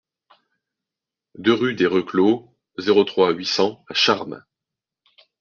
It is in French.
deux rue des Reclos, zéro trois, huit cents à Charmes